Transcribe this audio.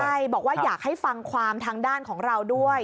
ใช่บอกว่าอยากให้ฟังความทางด้านของเราด้วย